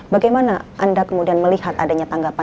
bagaimana anda kemudian melihat adanya tanggapan